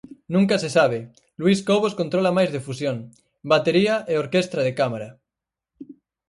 Nunca se sabe, Luis Cobos controla máis de fusión: batería e orquestra de cámara.